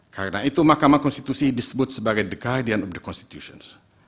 karena itu mahkamah konstitusi disebut sebagai the guardian of the constitution